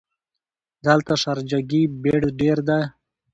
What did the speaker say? دلته شارجه ګې بیړ ډېر ده.